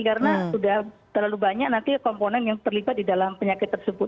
karena sudah terlalu banyak nanti komponen yang terlibat di dalam penyakit tersebut